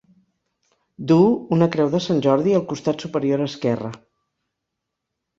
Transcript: Duu una Creu de Jordi al costat superior esquerre.